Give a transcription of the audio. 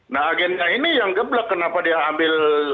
nah agennya ini yang geblek kenapa dia ambil